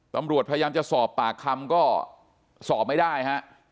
ตำรวจพยายามจะสอบปากคำก็สอบไม่ได้ฮะ